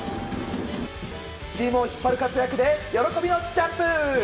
チームを引っ張る活躍で喜びのジャンプ。